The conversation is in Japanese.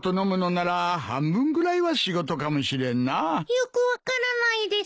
よく分からないです。